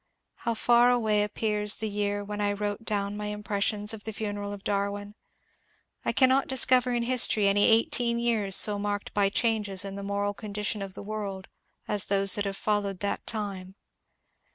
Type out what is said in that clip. How far away appears the year when I wrote down my impressions of the funeral of Darwin ! I can not discover in hiatory any eighteen years so marked by changes in the moral condition of the world as those that have followed that time.